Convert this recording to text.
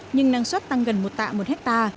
nhưng năng suất tăng gần một tạ một ha